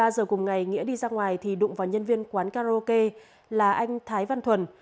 ba giờ cùng ngày nghĩa đi ra ngoài thì đụng vào nhân viên quán karaoke là anh thái văn thuần